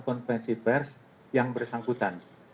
kita melakukan konfesi pers yang bersangkutan